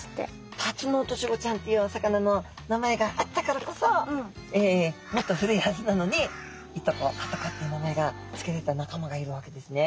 タツノオトシゴちゃんっていうお魚の名前があったからこそもっと古いはずなのにイトコハトコっていう名前がつけられた仲間がいるわけですね。